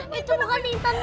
ma itu bukan intan ma